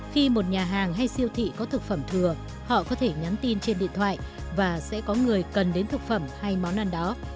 khi một nhà hàng hay siêu thị có thực phẩm thừa họ có thể nhắn tin trên điện thoại và sẽ có người cần đến thực phẩm hay món ăn đó